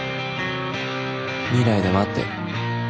「未来で待ってる」。